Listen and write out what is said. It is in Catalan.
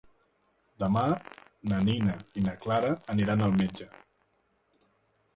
Demà na Nina i na Clara aniran al metge.